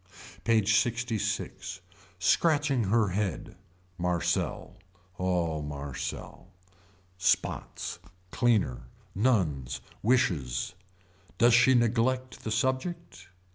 PAGE LXVI. Scratching her head. Marcel. Oh Marcel. Spots. Cleaner. Nuns. Wishes. Does she neglect the subject.